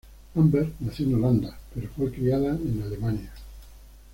Amber nació en Holanda pero fue criada en Alemania.